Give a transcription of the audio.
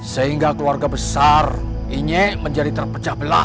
sehingga keluarga besar ini menjadi terpecah belah